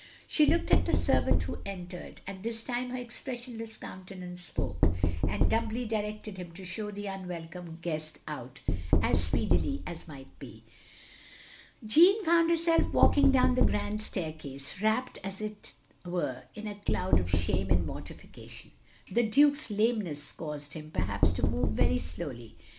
" She looked at the servant who entered, and this time her expressionless countenance spoke, and dtmibly directed him to show the unwelcome guest out as speedily as might be. Jeanne found herself walking down the grand staircase, wrapt as it were in a cloud of shame and mortification. The Duke's lameness caused him, perhaps, to move very slowly.